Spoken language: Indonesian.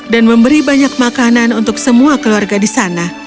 dan memberi banyak makanan untuk semua keluarga di sana